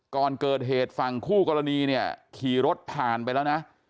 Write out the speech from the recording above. ก่อนเกิดเหตุฝั่งคู่กรณีเนี่ยขี่รถผ่านไปแล้วนะ